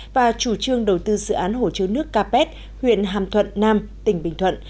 và chủ trương đầu tư dự án hỗ trương nước capet huyện hàm thuận nam tỉnh bình thuận